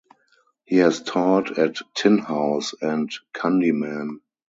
He has taught at Tin House and Kundiman.